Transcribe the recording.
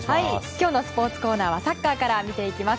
今日のスポーツコーナーはサッカーから見ていきます。